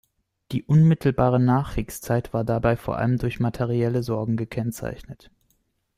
Die unmittelbare Nachkriegszeit war dabei vor allem durch materielle Sorgen gekennzeichnet.